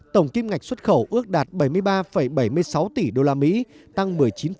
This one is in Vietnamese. tổng kim ngạch xuất khẩu ước đạt bảy mươi ba bảy mươi sáu tỷ usd tăng một mươi chín